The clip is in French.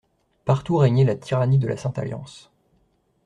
Partout régnait la tyrannie de la Sainte-Alliance.